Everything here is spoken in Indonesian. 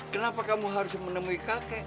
kenapa kamu harus menemui kakek